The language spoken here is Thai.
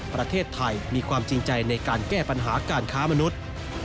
ประเทศไทยมีความจริงใจในการแก้ปัญหาการค้ามนุษย์